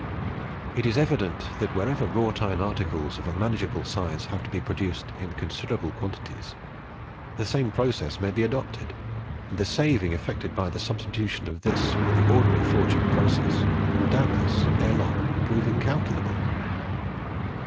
It is evident that wherever wrought iron articles of a manageable size have to be produced in considerable quantities, the same process may be adopted, and the saving effected by the substitution of this for the ordinary forging process will doubtless ere long prove incalculable.